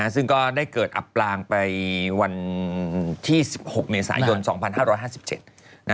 ซึ่งก็ได้เกิดอับปลางไปวันที่๑๖เมษายน๒๕๕๗